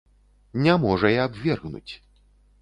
Не можа і абвергнуць.